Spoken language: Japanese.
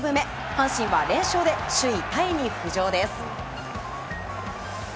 阪神は連勝で首位タイに浮上です。